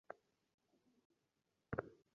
পরে যাহা হইল, তাহা সুবিধাজনক নয়।